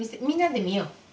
みんなで見よう。